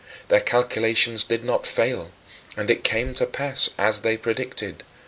Their calculations did not fail, and it came to pass as they predicted.